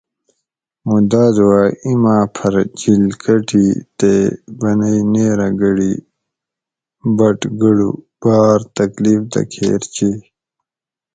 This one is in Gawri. موں دادو ھہ ایما پھر جِل کٹی تے بنئ نیرہ گڑی بٹ گڑو باۤر تکلیف دہ کھیر چیئ